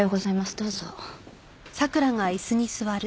どうぞ。